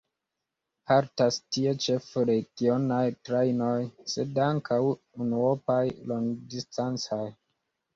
Haltas tie ĉefe regionaj trajnoj, sed ankaŭ unuopaj longdistancaj.